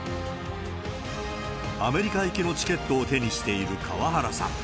アメリカ行きのチケットを手にしている河原さん。